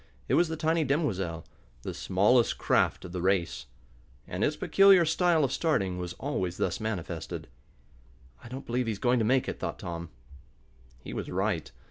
It was the tiny Demoiselle the smallest craft in the race, and its peculiar style of starting was always thus manifested. "I don't believe he's going to make it," thought Tom. He was right.